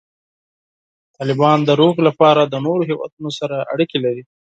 طالبان د سولې لپاره د نورو هیوادونو سره اړیکې لري.